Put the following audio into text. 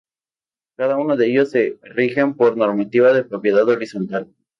Cada uno de ellos se rigen por normativa de propiedad horizontal.